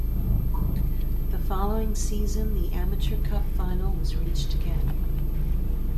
The following season the Amateur Cup final was reached again.